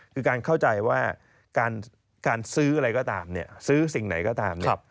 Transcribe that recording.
คือการเข้าใจว่าการซื้ออะไรก็ตามซื้อสิ่งไหนก็ตาม